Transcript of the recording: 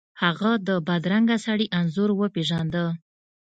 هغه د بدرنګه سړي انځور وپیژنده.